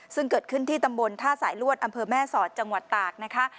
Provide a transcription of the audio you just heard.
ซึ่งเกิดขึ้นที่ตำบลท่าสายลวดอำเภอแม่สอดจังหวัดตากนะคะ